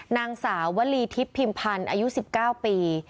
นางสาววลีทิพย์พิมพันธ์อายุ๑๙ปี